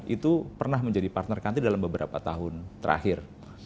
itu pernah menjadi partner country dalam beberapa tahun terakhir